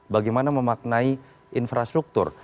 bagaimana memaknai infrastruktur